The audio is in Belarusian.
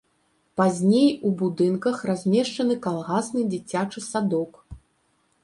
Пазней у будынках размешчаны калгасны дзіцячы садок.